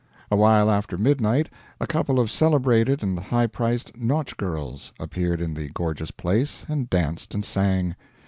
A while after midnight a couple of celebrated and high priced nautch girls appeared in the gorgeous place, and danced and sang.